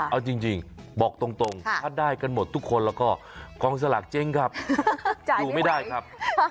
เอาจริงบอกตรงถ้าได้กันหมดทุกคนแล้วก็กองสลากเจ๊งครับอยู่ไม่ได้ครับ